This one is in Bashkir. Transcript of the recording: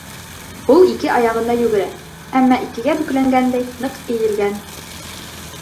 Ул ике аяғында йүгерә, әммә икегә бөкләнгәндәй ныҡ эйелгән.